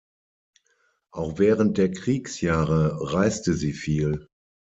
Auch während der Kriegsjahre reiste sie viel.